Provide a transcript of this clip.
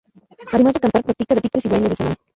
Además de cantar practica deportes y baile de salón.